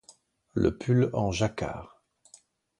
Le pull en jacquard.